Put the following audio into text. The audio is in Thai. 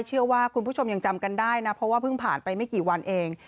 เชื่อว่าคุณผู้ชมยังจำกันได้นะเพราะว่าเพิ่งผ่านไปไม่กี่วันเอง